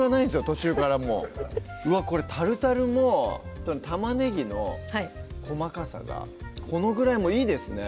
途中からもううわっこれタルタルも玉ねぎの細かさがこのぐらいもいいですね